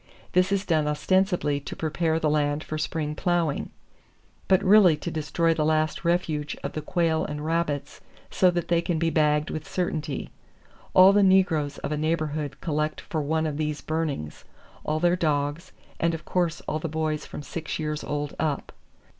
This is done ostensibly to prepare the land for spring plowing, but really to destroy the last refuge of the quail and rabbits so that they can be bagged with certainty. All the negroes of a neighborhood collect for one of these burnings, all their dogs, and of course all the boys from six years old up.